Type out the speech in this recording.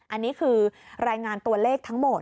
อันนี้คือรายงานตัวเลขทั้งหมด